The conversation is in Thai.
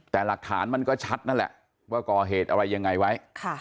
แต่หลักฐานมันก็ชัดนั่นแหละว่าก่อเหตุอะไรยังไงไว้